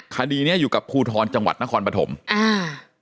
คดีเนี้ยอยู่กับภูทรจังหวัดนครปฐมอ่า